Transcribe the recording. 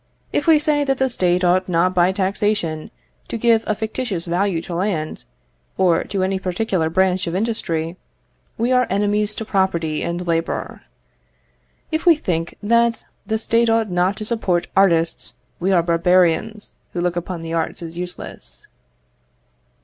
If we say that the State ought not by taxation to give a fictitious value to land, or to any particular branch of industry, we are enemies to property and labour. If we think that the State ought not to support artists, we are barbarians, who look upon the arts as useless.